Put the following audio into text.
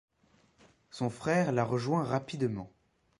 Son frère la rejoint rapidement.